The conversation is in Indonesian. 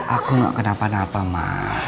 aku gak kenapa napa ma